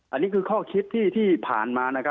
อันนี้คือข้อคิดที่ผ่านมา